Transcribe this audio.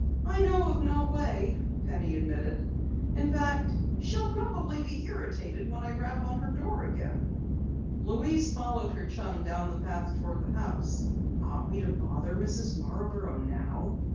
"I know of no way," Penny admitted. "In fact, she'll probably be irritated when I rap on her door again." Louise followed her chum down the path toward the house. "Ought we bother Mrs. Marborough now?"